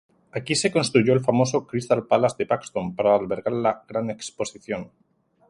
Aquí se construyó el famoso Cristal Palace de Paxton para albergar la gran exposición.